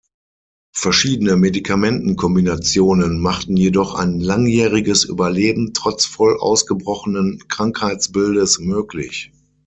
Verschiedene Medikamenten-Kombinationen machten jedoch ein langjähriges Überleben trotz voll ausgebrochenen Krankheitsbildes möglich.